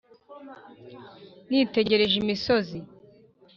Nitegereje imisozi